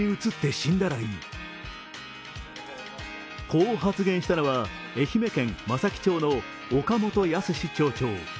こう発言したのは愛媛県松前町の岡本靖町長。